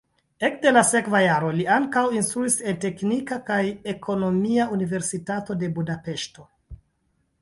Ekde la sekva jaro li ankaŭ instruis en Teknika kaj Ekonomia Universitato de Budapeŝto.